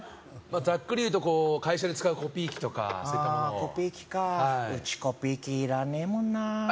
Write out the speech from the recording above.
ざっくりいうとこう会社で使うコピー機とかそういったものをああコピー機かうちコピー機いらねえもんなあ